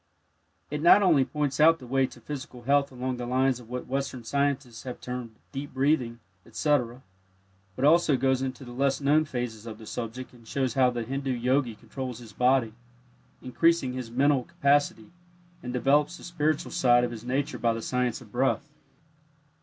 It not only points out the way to physical health along the lines of what Western scientists have termed "deep breathing," etc., but also goes into the less known phases of the subject, and shows how the Hindu Yogi controls his body, increasing his mental capacity, and develops the spiritual side of his nature by the "Science of Breath."